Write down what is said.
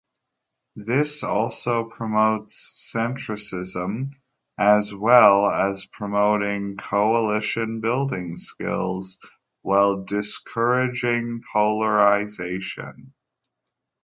This also promotes centrism, as well as promoting coalition-building skills while discouraging polarization.